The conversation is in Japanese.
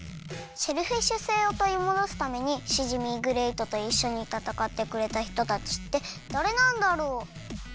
シェルフィッシュ星をとりもどすためにシジミーグレイトといっしょにたたかってくれたひとたちってだれなんだろう？